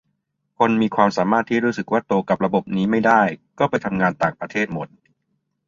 คนมีความสามารถที่รู้สึกว่าโตกับระบบแบบนี้ไม่ได้ก็ไปทำงานต่างประเทศหมด